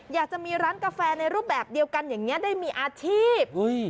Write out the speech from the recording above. อยากจะมีร้านกาแฟในรูปแบบเดียวกันอย่างนี้ได้มีอาชีพ